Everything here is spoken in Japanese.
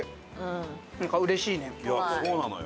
いやそうなのよ。